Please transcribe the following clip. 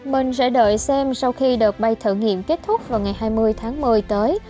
mình sẽ đợi xem sau khi đợt bay thử nghiệm kết thúc vào ngày hai mươi tháng một mươi tới